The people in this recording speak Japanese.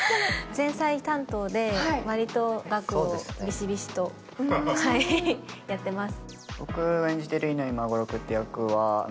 前菜担当で、割と岳をビシビシとやってます。